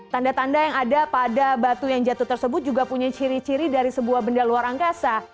tanda tanda yang ada pada batu yang jatuh tersebut juga punya ciri ciri dari sebuah benda luar angkasa